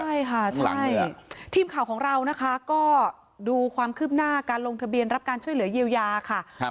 ใช่ค่ะใช่ทีมข่าวของเรานะคะก็ดูความคืบหน้าการลงทะเบียนรับการช่วยเหลือเยียวยาค่ะ